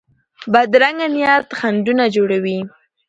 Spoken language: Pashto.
بدرنګه نیت خنډونه جوړوي